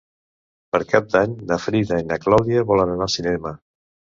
Per Cap d'Any na Frida i na Clàudia volen anar al cinema.